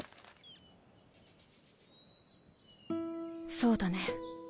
そうだね。